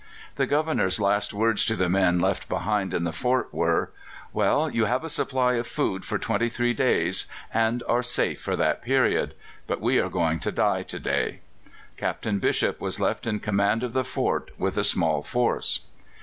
The Governor's last words to the men left behind in the fort were: "Well, you have a supply of food for twenty three days, and are safe for that period; but we are going to die to day." Captain Bishop was left in command of the fort, with a small force.